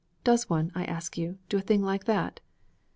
Does one, I ask you, do a thing like that?'